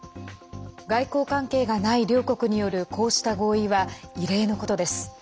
外交関係がない両国によるこうした合意は異例のことです。